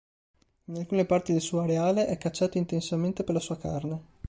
In alcune parti del suo areale è cacciato intensamente per la sua carne.